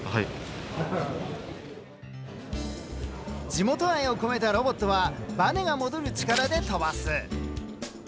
地元愛を込めたロボットはバネが戻る力で飛ばす。